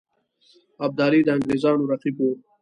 ابدالي د انګرېزانو رقیب وو.